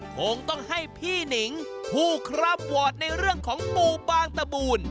คงต้องให้พี่หนิงผู้ครับวอร์ดในเรื่องของปู่บางตะบูล